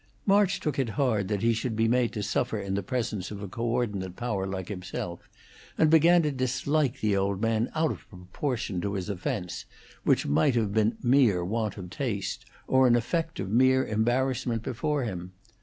March took it hard that he should be made to suffer in the presence of a co ordinate power like himself, and began to dislike the old man out of proportion to his offence, which might have been mere want of taste, or an effect of mere embarrassment before him.